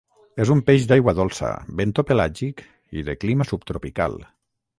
És un peix d'aigua dolça, bentopelàgic i de clima subtropical.